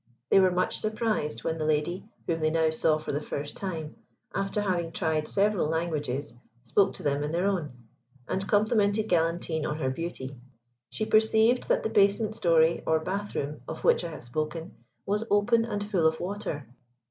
They were much surprised when the lady (whom they now saw for the first time) after having tried several languages, spoke to them in their own, and complimented Galantine on her beauty. She perceived that the basement story, or bath room, of which I have spoken, was open and full of water.